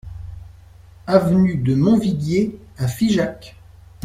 Avenue de Montviguier à Figeac